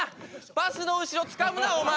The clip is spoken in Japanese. バスの後ろつかむなお前。